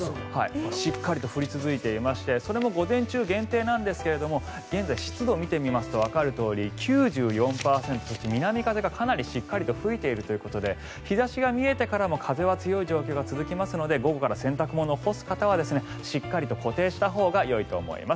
しっかりと降り続いていましてそれも午前中限定ですが現在、湿度を見てみますとわかるとおり９４％、南風がかなりしっかり吹いているということで日差しが見えてからも風が強い状況は続きますので午後から洗濯物を干す方はしっかりと固定したほうがよいと思います。